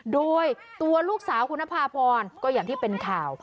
โดยตัวลูกสาวคุณนภาพรก็อย่างที่เป็นข่าว